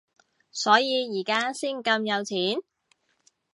所以而家先咁有錢？